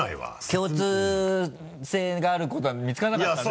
共通性があることが見つからなかったね。